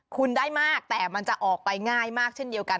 คุณได้มากแต่มันจะออกไปง่ายมากเช่นเดียวกัน